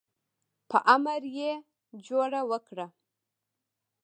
په امر یې جوړه وکړه.